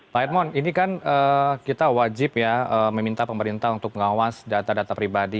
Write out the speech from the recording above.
pak edmond ini kan kita wajib ya meminta pemerintah untuk mengawas data data pribadi